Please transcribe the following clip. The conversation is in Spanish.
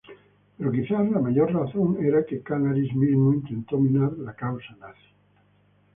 Pero quizás la mayor razón era que Canaris mismo intentó minar la causa nazi.